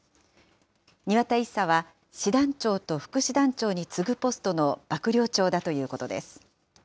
庭田１佐は師団長と副師団長に次ぐポストの幕僚長だということです。